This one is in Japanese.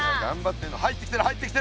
いや入ってきてる入ってきてる！